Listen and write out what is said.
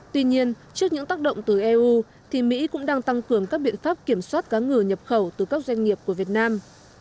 tuy nhiên trước những tác động từ eu thì mỹ cũng đang tăng cường các biện pháp kiểm soát cá ngừ nhập khẩu từ các doanh nghiệp của việt nam